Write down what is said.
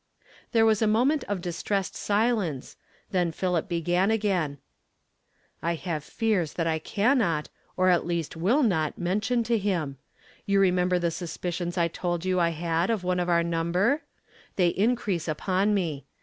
There was a moment of distressed silence, then Philip began again. *' I have fears that I cannot, 306 i^J II ^l YESTERDAY FRAMED IN TO DAY. or at leas.t will not, mention to him. You remem ber the suspicions I told you I had of one of our number? They increase upon me.